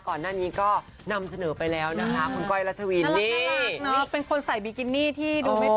ก่อนหน้านี้ก็นำเสนอไปแล้วนะคะคุณก้อยรัชวินนี่เป็นคนใส่บิกินี่ที่ดูไม่พอ